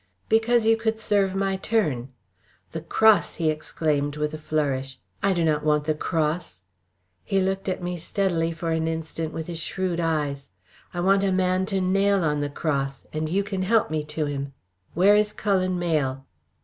"Because you could serve my turn. The cross!" he exclaimed, with a flourish. "I do not want the cross." He looked at me steadily for an instant with his shrewd eyes. "I want a man to nail on the cross, and you can help me to him. Where is Cullen Mayle?"